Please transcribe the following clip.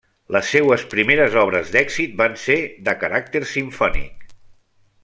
Les seues primeres obres d'èxit van ser de caràcter simfònic.